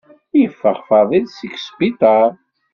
Yeffeɣ Faḍil seg usbiṭar.